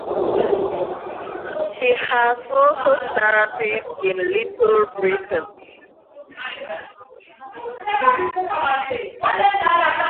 He has also starred in "Little Britain".